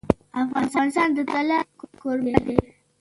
افغانستان د طلا کوربه دی.